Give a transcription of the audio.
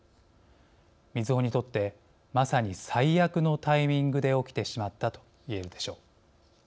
みずほにとってまさに最悪のタイミングで起きてしまったと言えるでしょう。